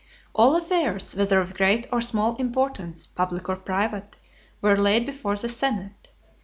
All affairs, whether of great or small importance, public or private, were laid before the senate.